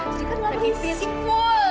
jadi kan lari fisik pun